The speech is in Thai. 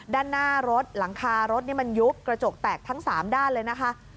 ด้านหน้ารถหลังคารถนี่มันยุบกระจกแตกทั้ง๓ด้านเลยนะคะ